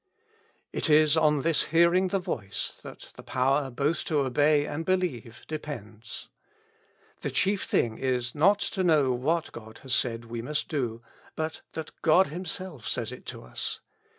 It is on this hearing the voice, that the power both to obey and believe depends. The chief thing is, not to know what God has said we must do, but that God Himself sdiys it to us.